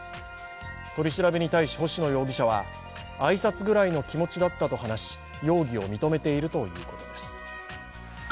取り調べに対し星野容疑者は挨拶ぐらいの気持ちだったと話し容疑を認めているということです。